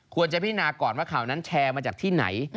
พินาก่อนว่าข่าวนั้นแชร์มาจากที่ไหน